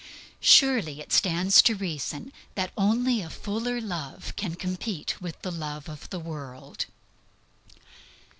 Surely it stands to reason that only a fuller love can compete with the love of the world.